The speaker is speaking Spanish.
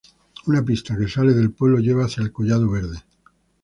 Una pista que sale del pueblo lleva hacia el collado Verde.